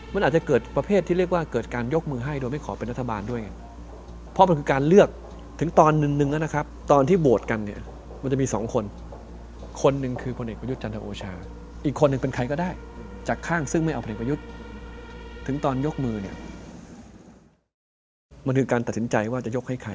มันอาจจะเกิดประเภทที่เรียกว่าเกิดการยกมือให้โดยไม่ขอเป็นรัฐบาลด้วย